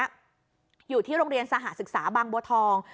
อยู่ที่โรงเรียนสหศึกษาบางบัวทอง